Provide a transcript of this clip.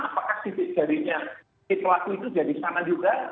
apakah sidik jarinya itu laku itu jadi sama juga